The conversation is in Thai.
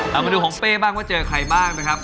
เอามาดูของเป้บ้างว่าเจอใครบ้างนะครับ